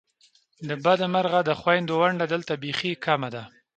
د بده مرغه د خوېندو ونډه دلته بیخې کمه ده !